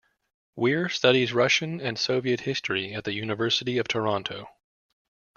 Weir studied Russian and Soviet history at the University of Toronto.